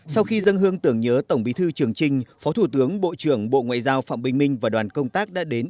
sau khi dân hương tưởng nhớ tổng bí thư trường trinh phó thủ tướng bộ trưởng bộ ngoại giao phạm bình minh và đoàn công tác đã đến